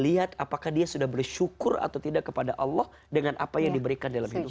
lihat apakah dia sudah bersyukur atau tidak kepada allah dengan apa yang diberikan dalam hidup